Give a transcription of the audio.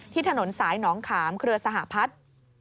ถนนสายหนองขามเครือสหพัฒน์